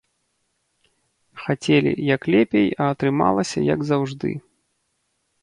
Хацелі, як лепей, а атрымалася, як заўжды.